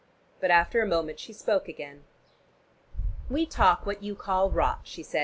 But after a moment she spoke again. "We talk what you call rot," she said.